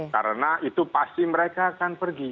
karena itu pasti mereka akan pergi